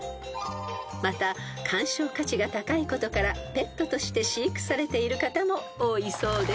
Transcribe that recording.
［また鑑賞価値が高いことからペットとして飼育されている方も多いそうです］